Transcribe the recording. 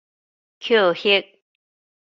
抾獲